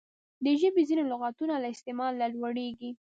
د ژبي ځیني لغاتونه له استعماله لوړیږي.